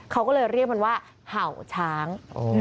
เขาก็เลยเรียกมันว่าเห่าช้าง